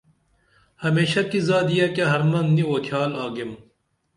ہمیشہ کی زادیہ کیہ حرمن نی اُوتِھیال آگیم